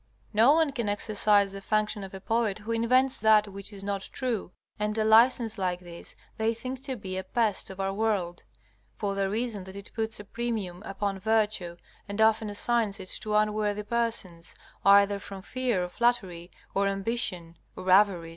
No one can exercise the function of a poet who invents that which is not true, and a license like this they think to be a pest of our world, for the reason that it puts a premium upon virtue and often assigns it to unworthy persons, either from fear of flattery, or ambition, or avarice.